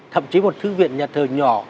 thậm chí một thư viện nhà thờ nhỏ